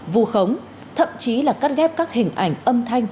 vu khống thậm chí là cắt ghép các hình ảnh âm thanh